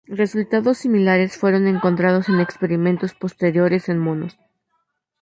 Resultados similares fueron encontrados en experimentos posteriores en monos.